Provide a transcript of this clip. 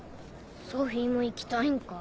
ソフィーも行きたいんか？